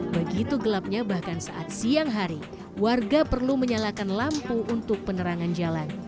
begitu gelapnya bahkan saat siang hari warga perlu menyalakan lampu untuk penerangan jalan